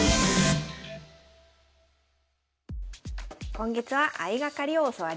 今月は相掛かりを教わります。